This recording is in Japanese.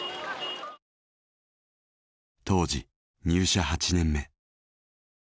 当時入社８年目。